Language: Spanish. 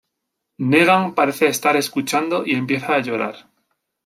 Negan parece estar escuchando y empieza a llorar.